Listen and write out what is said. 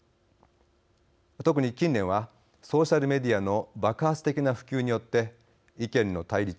特に近年はソーシャルメディアの爆発的な普及によって、意見の対立